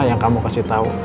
yang kamu kasih tahu